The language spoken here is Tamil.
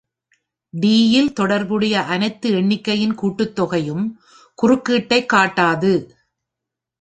டி- இல், தொடர்புடைய அனைத்து எண்ணிக்கையின் கூட்டுத்தொகையும் குறுக்கீட்டைக் காட்டாது.